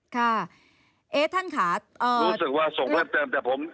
ค่ะเอ๊ะท่านค่ะรู้สึกว่าส่งเพิ่มเติมแต่ผม